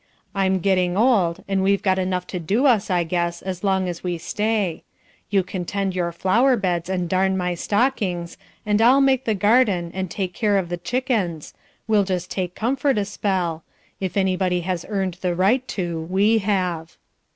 I'm getting old and we've got enough to do us I guess as long as we stay. You can tend your flower beds and darn my stockings, and I'll make the garden and take care of the chickens, we'll just take comfort a spell; if any body has earned the right to we have."